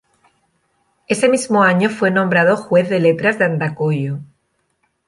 Ese mismo año fue nombrado juez de letras de Andacollo.